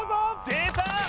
出た！